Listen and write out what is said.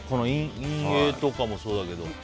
陰影とかもそうだけど。